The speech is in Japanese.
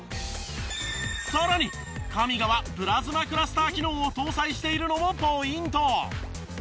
さらにＫＡＭＩＧＡはプラズマクラスター機能を搭載しているのもポイント。